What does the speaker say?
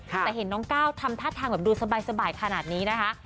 แต่เห็นน้องก้าวทำท่าทางแบบดูสบายขนาดนี้นะคะ